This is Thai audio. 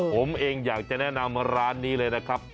ผมเองอยากจะแนะนำร้านนี้เลยนะครับ